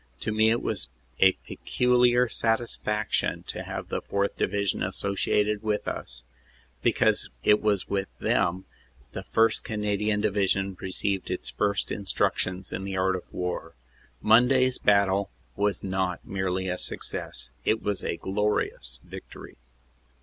To me it was a peculiar satisfaction to have the 4th. Divi sion associated with us, because it was with them the 1st. Cana dian Division received its first instructions in the art of war. Monday s battle was not merely a success; it was a glorious victory."